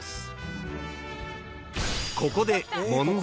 ［ここで］